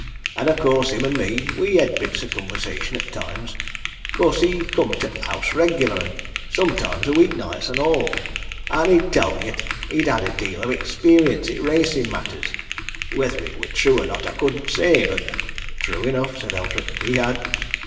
And of course him an' me, we hed bits o' conversation at times, 'cause he come to t' house reg'lar and sometimes o' week nights an' all. An' he tell'd me 'at he'd had a deal o' experience i' racin' matters whether it were true or not, I couldn't say, but " "True enough!" said Eldrick. "He had."